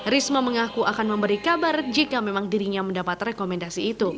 risma mengaku akan memberi kabar jika memang dirinya mendapat rekomendasi itu